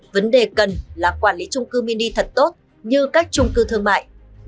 vấn đề cần là quản lý chung cư mini thật tốt như các chung cư thương mại